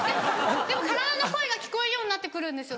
でも体の声が聞こえるようになって来るんですよ